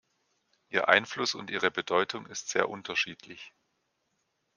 Ihr Einfluss und ihre Bedeutung ist sehr unterschiedlich.